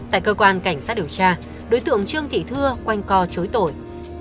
tại cơ quan cảnh sát điều tra đối tượng trương thị thưa quanh co chối tội